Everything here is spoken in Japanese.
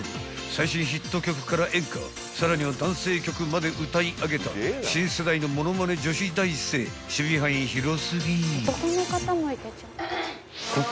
［最新ヒット曲から演歌さらには男性曲まで歌い上げた新世代のものまね女子大生守備範囲広過ぎ！］